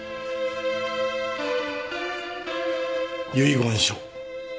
「遺言書。